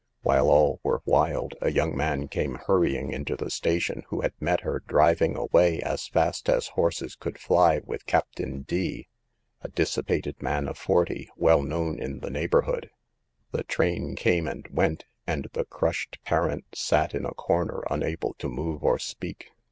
While all were wild, a young man came hurrying into the sta tion who had met her driving away as fast as horses could fly, with Captain D , a dis sipated man of forty, well known in the neigh borhood. " The train cam e and went, and the crushed parents sat in a corner unable to move or speak.